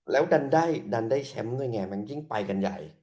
แล้วดันได้แชมป์ด้วยไงมันยิ่งไปกันใหญ่